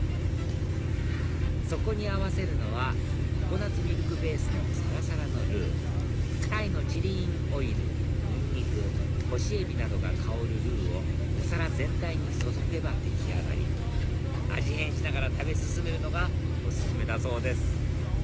そこに合わせるのはココナツミルクベースのさらさらのルータイのチリインオイルニンニク干しエビなどが香るルーをお皿全体に注げば出来上がり味変しながら食べ進めるのがオススメだそうです